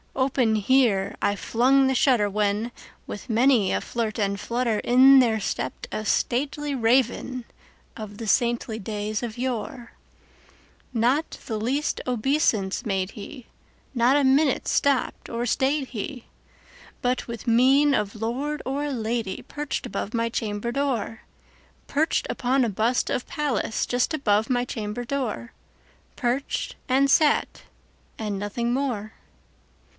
Open here I flung the shutter, when, with many a flirt and flutter, In there stepped a stately Raven of the saintly days of yore. Not the least obeisance made he; not a minute stopped or stayed he; But, with mien of lord or lady, perched above my chamber door, Perched upon a bust of Pallas just above my chamber door:Perched, and sat, and nothing more.